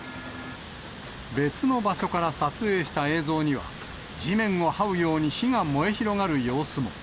別の場所から撮影した映像には、地面をはうように火が燃え広がる様子も。